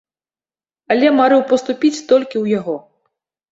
Але марыў паступіць толькі ў яго.